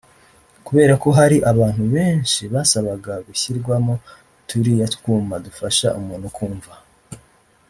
Kubera ko hari abantu benshi basabaga gushyirwamo turiya twuma dufasha umuntu kumva